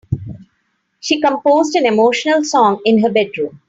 She composed an emotional song in her bedroom.